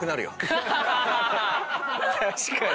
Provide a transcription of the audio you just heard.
確かに。